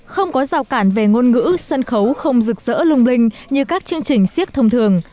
không có rào cản về ngôn ngữ sân khấu không rực rỡ lung linh như các chương trình siếc thông thường